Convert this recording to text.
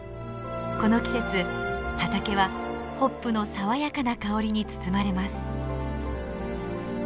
この季節畑はホップの爽やかな香りに包まれます。